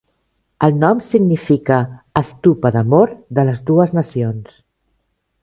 El nom significa "stupa d'amor de les dues nacions".